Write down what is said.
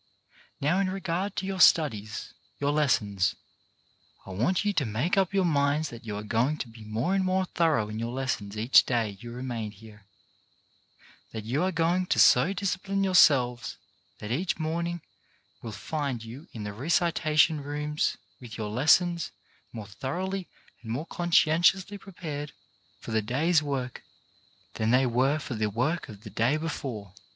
Now in regard to your studies ; your lessons. I want you to make up your minds that you are going to be more and more thorough in your les sons each day you remain here ; that you are going to so discipline yourselves that each morning will find you in the recitation rooms with your lessons more thoroughly and more conscientiously pre^ GROWTH 279 pared for the day's work than they were for the work of the day before.